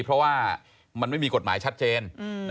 เพราะว่ามันไม่มีกฎหมายชัดเจน